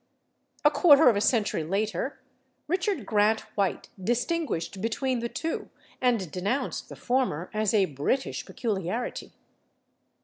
A quarter of a century later Richard Grant White distinguished between the two, and denounced the former as "a British peculiarity."